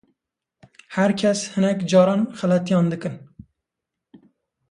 her kes hinek caran xeletiyan dikin.